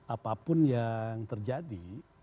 apapun yang terjadi